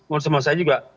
mau disemua saya juga